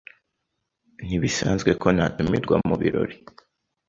Ntibisanzwe ko natumirwa mubirori.